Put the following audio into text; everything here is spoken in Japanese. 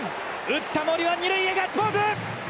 打った森は、二塁でガッツポーズ。